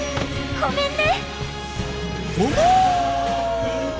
ごめんね。